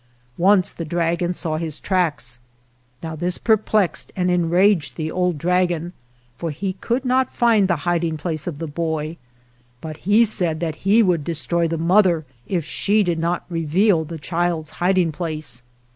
Once the dragon saw his tracks. Now this perplexed and en raged the old dragon, for he could not find the hiding place of the boy; but he said that he would destroy the mother if she did not reveal the child's hiding place.